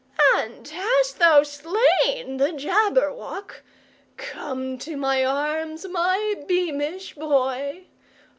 "And hast thou slain the Jabberwock? Come to my arms, my beamish boy!